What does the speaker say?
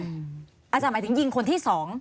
อาจารย์หมายถึงยิงคนที่สอง